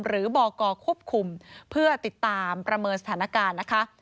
บกควบคุมเพื่อติดตามประเมินสถานการณ์นะคะ